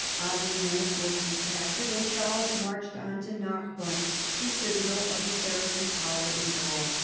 Avi gnon was recaptured and Charles marched on to Nar bonne, the citadel of the Saracen power in Gaul.